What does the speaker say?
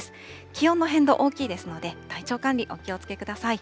気温の変動、大きいですので、体調管理、お気をつけください。